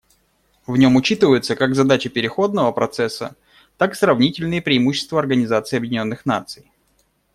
В нем учитываются как задачи переходного процесса, так и сравнительные преимущества Организации Объединенных Наций.